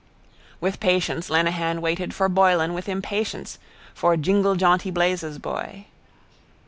With patience Lenehan waited for Boylan with impatience, for jinglejaunty blazes boy.